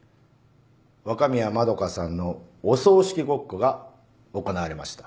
若宮円さんのお葬式ごっこが行われました。